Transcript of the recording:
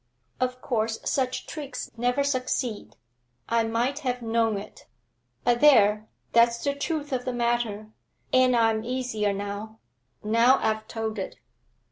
Of course, such tricks never succeed; I might have known it. But there, that's the truth of the matter, and I'm easier now now I've told it.'